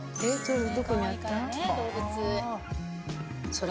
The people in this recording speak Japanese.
それ。